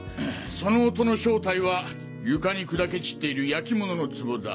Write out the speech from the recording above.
その音の正体は床に砕け散っている焼き物のツボだ。